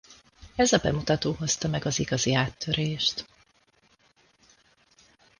Ez a bemutató hozta meg az igazi áttörést.